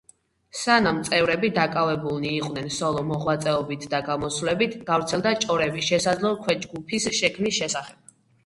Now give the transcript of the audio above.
სანამ წევრები დაკავებულნი იყვნენ სოლო მოღვაწეობით და გამოსვლებით, გავრცელდა ჭორები შესაძლო ქვეჯგუფის შექმნის შესახებ.